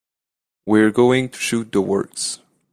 We're going to shoot the works.